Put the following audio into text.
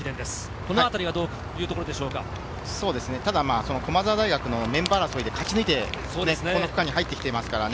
このあた駒澤大学のメンバー争いで勝ち抜いて、この区間に入ってきていますからね。